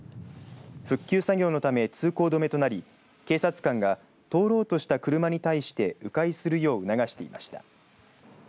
復旧作業のため通行止めとなり警察官が通ろうとした車に対してう回するよう促していました。